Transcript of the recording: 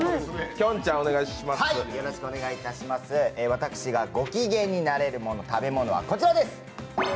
私がごきげんになれる食べ物はこちらです。